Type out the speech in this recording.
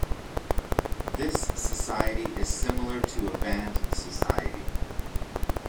This society is similar to a band society.